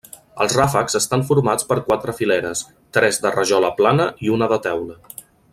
Els ràfecs estan formats per quatre fileres, tres de rajola plana i una de teula.